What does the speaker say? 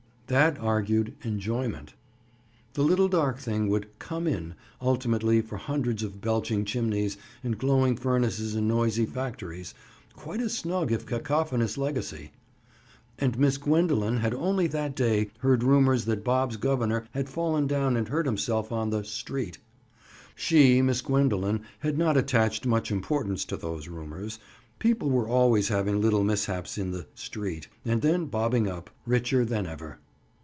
That argued enjoyment. The little dark thing would "come in" ultimately for hundreds of belching chimneys and glowing furnaces and noisy factories—quite a snug if cacophonous legacy!—and Miss Gwendoline had only that day heard rumors that Bob's governor had fallen down and hurt himself on the "street." She, Miss Gwendoline, had not attached much importance to those rumors. People were always having little mishaps in the "street," and then bobbing up richer than ever.